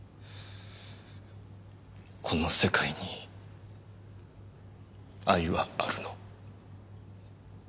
「この世界に愛はあるの？」。